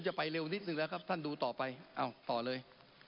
จะไปเร็วนิดนึงแล้วครับท่านดูต่อไปอ้าวต่อเลย